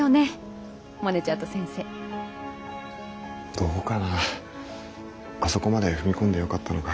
どうかなあそこまで踏み込んでよかったのか。